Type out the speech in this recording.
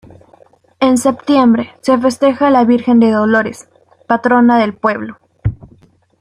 En septiembre se festeja la Virgen de Dolores, patrona del pueblo.